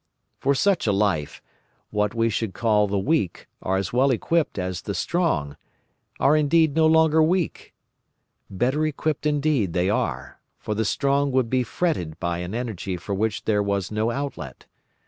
For such a life, what we should call the weak are as well equipped as the strong, are indeed no longer weak. Better equipped indeed they are, for the strong would be fretted by an energy for which there was no outlet.